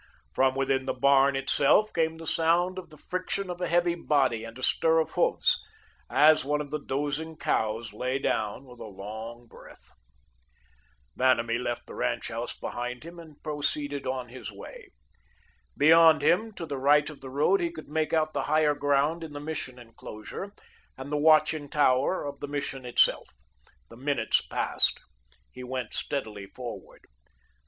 From within the barn itself came the sound of the friction of a heavy body and a stir of hoofs, as one of the dozing cows lay down with a long breath. Vanamee left the ranch house behind him and proceeded on his way. Beyond him, to the right of the road, he could make out the higher ground in the Mission enclosure, and the watching tower of the Mission itself. The minutes passed. He went steadily forward.